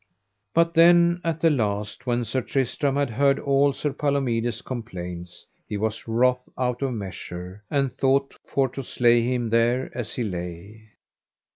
But then at the last, when Sir Tristram had heard all Sir Palomides' complaints, he was wroth out of measure, and thought for to slay him thereas he lay.